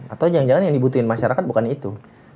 atau jangan jangan yang dibutuhkan masyarakat bukan itu